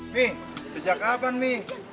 mi sejak kapan mi